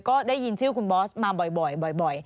ก็ได้ยินชื่อคุณบอสมาบ่อย